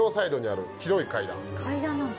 階段なんだ。